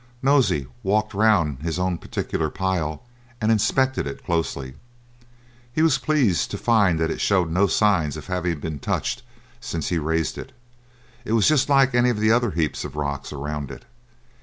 Nosey walked round his own particular pile, and inspected it closely. He was pleased to find that it showed no signs of having been touched since he raised it. It was just like any of the other heaps of rocks around it.